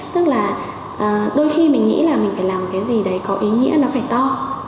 tức là đôi khi mình nghĩ là mình phải làm cái gì đấy có ý nghĩa nó phải to